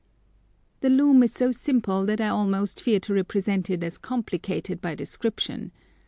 The loom is so simple that I almost fear to represent it as complicated by description.